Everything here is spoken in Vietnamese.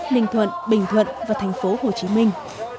ninh thuận bình thuận và thành phố hồ chí minh